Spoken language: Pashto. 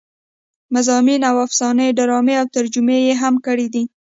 مضامين او افسانې ډرامې او ترجمې يې هم کړې دي